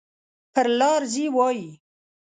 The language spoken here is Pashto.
پر لار ځي وایي.